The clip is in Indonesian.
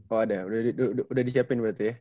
oh ada udah disiapin berarti ya